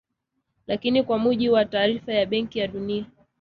Lakini kwa mujibu wa taarifa ya Benki ya Dunia